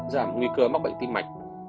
giảm nguy cơ mắc bệnh tim mạch